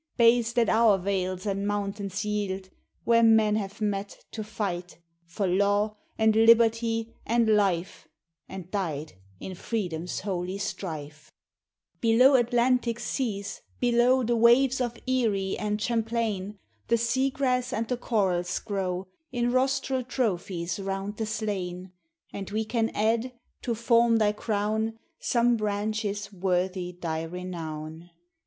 Bays that our vales and mountains yield, Where men have met, to fight For law, and liberty, and life, And died in freedom's holy strife. 6 82 maniac's song. Below Atlantic seas â below The waves of Erie and Champlain, The sea grass and the corals grow In rostral trophies round the slain ; And we can add, to form thy crown, Some branches worthy thy renown